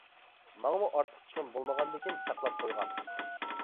ماڭىمۇ ئارتۇق چىقىم بولمىغاندىكىن ساقلاپ قويغان.